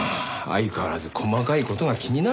相変わらず細かい事が気になるね。